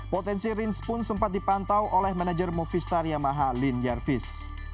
potensi rins pun sempat dipantau oleh manajer movistar yamaha lynn yervis